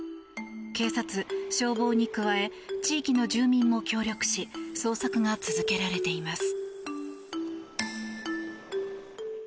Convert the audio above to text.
警察、消防に加え地域の住民も協力し捜索が続けられています。